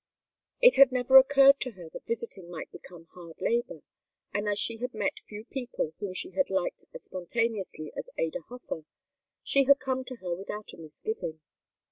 It had never occurred to her that visiting might become hard labor, and as she had met few people whom she had liked as spontaneously as Ada Hofer, she had come to her without a misgiving.